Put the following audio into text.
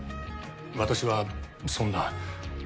私はそんな。